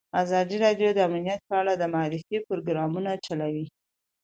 ازادي راډیو د امنیت په اړه د معارفې پروګرامونه چلولي.